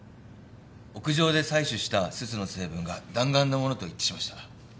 屋上で採取したすすの成分が弾丸のものと一致しました。